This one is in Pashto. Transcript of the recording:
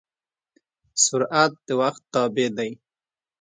سرعت د وخت تابع دی.